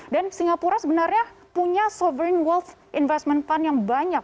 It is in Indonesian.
dan singapura sebenarnya punya sovereign wealth investment fund yang banyak